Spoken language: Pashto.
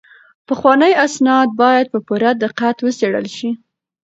پخواني اسناد باید په پوره دقت وڅیړل شي.